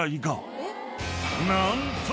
［何と］